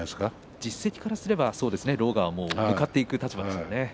実績からいきますと狼雅は向かっていく立場ですよね。